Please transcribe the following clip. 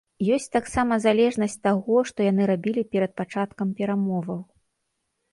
Ёсць таксама залежнасць таго, што яны рабілі перад пачаткам перамоваў.